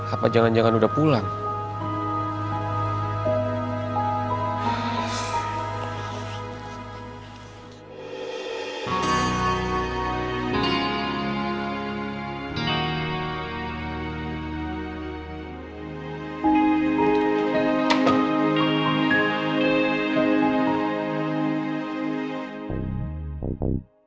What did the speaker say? apa jangan jangan udah pulang